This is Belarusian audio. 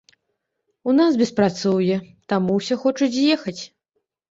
У нас беспрацоўе, таму ўсе хочуць з'ехаць.